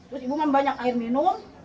terus ibu kan banyak air minum